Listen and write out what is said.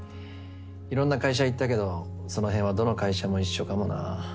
いろんな会社いったけどそのへんはどの会社も一緒かもな。